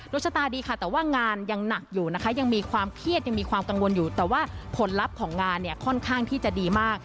ชะตาดีค่ะแต่ว่างานยังหนักอยู่นะคะยังมีความเครียดยังมีความกังวลอยู่แต่ว่าผลลัพธ์ของงานเนี่ยค่อนข้างที่จะดีมาก